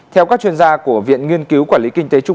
theo các chuyên gia của viện nghiên cứu quản lý kinh tế trung